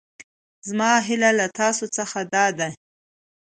زما هېله له تاسو څخه دا ده.